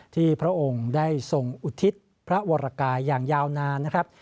พระองค์ได้ทรงอุทิศพระวรกายอย่างยาวนานนะครับ